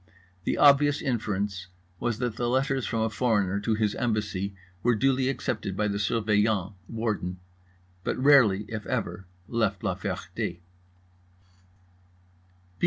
The obvious inference was that letters from a foreigner to his embassy were duly accepted by the Surveillant (Warden), but rarely, if ever, left La Ferté. B.